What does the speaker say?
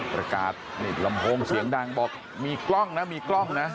ประกาศนี่ลำโพงเสียงดังบอกมีกล้องนะมีกล้องนะ